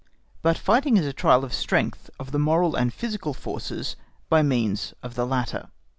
But fighting is a trial of strength of the moral and physical forces by means of the latter.